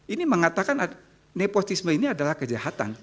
ini mengatakan nepotisme ini adalah kejahatan